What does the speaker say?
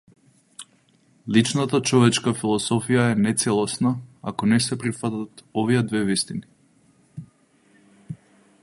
Личната човечка философија е нецелосна, ако не се прифатат овие две вистини.